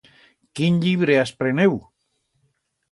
Quín llibre has preneu?